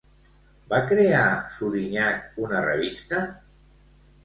Va crear Surinyach una revista?